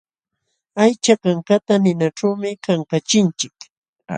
Aycha kankata ninaćhuumi kankachinchik.